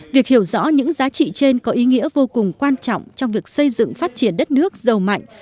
việc hiểu rõ những giá trị trên có ý nghĩa vô cùng quan trọng trong việc xây dựng phát triển đất nước giàu mạnh